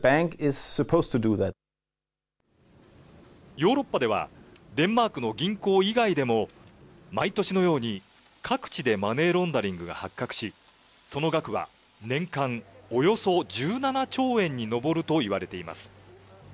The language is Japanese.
ヨーロッパでは、デンマークの銀行以外でも、毎年のように各地でマネーロンダリングが発覚し、その額は、年間およそ１７兆円に上るといわれています。